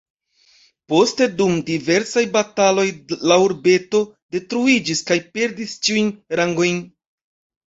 Poste dum diversaj bataloj la urbeto detruiĝis kaj perdis ĉiujn rangojn.